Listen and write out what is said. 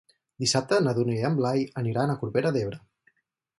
Dissabte na Dúnia i en Blai aniran a Corbera d'Ebre.